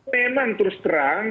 memang terus terang